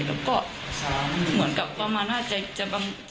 แล้วก็เหมือนกับความมาน่าใจจะ